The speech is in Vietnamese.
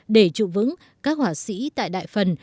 để trụ vững các hỏa sĩ tại đại phần